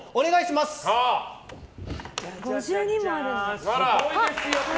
すごいですよ！